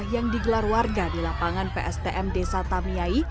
yang digelar warga di lapangan pstm desa tamiyai